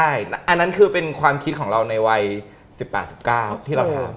ใช่อันนั้นคือเป็นความคิดของเราในวัย๑๘๑๙ที่เราทำ